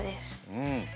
うん。